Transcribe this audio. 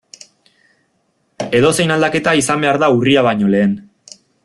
Edozein aldaketa izan behar da urria baino lehen.